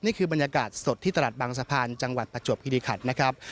นี่คือบรรยากาศสดที่ตลาดบางสะพานจังหวัดประจวบคิริขันนะครับ